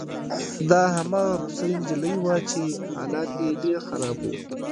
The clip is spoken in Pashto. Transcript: دا هماغه روسۍ نجلۍ وه چې حالت یې ډېر خراب و